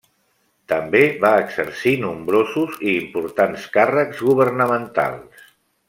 També va exercir nombrosos i importants càrrecs governamentals.